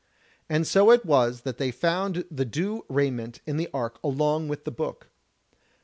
And so it was that they found the due raiment in the ark along with the book.